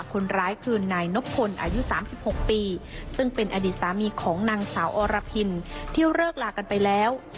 คนร้ายคือนายนบพลอายุ๓๖ปีซึ่งเป็นอดีตสามีของนางสาวอรพินที่เลิกลากันไปแล้ว